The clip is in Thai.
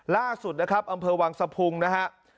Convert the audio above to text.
ล่าสุดนะครับอำเภอวังสะพุงนะฮะ